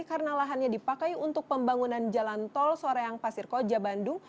karena lahannya dipakai untuk pembangunan jalan tol soreang pasir koja bandung